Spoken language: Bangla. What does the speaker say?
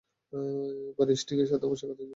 একবার স্টিং এর সাথে আমার সাক্ষাৎ হয়েছিল।